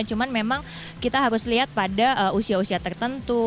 cuman memang kita harus lihat pada usia usia tertentu